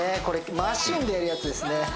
これマシンでやるやつですね